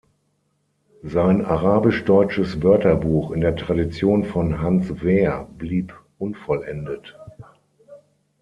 Sein "Arabisch-deutsches Wörterbuch" in der Tradition von Hans Wehr blieb unvollendet.